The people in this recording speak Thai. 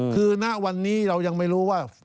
คือณวันนี้เรายังไม่รู้ว่า